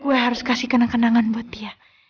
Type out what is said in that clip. gue harus kasih kenang kenangan buat dia